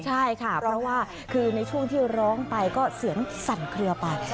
ใช่ค่ะเพราะว่าคือในช่วงที่ร้องไปก็เสียงสั่นเคลือไป